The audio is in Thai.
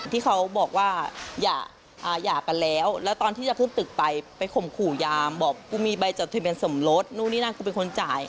ที่เขาบอกว่าหย่ากันแล้วแล้วตอนที่จะขึ้นตึกไปไปข่มขู่ยามบอกกูมีใบจดทะเบียนสมรสนู่นนี่นั่นกูเป็นคนจ่าย